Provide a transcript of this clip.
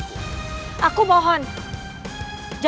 ada yang ke celebrateternya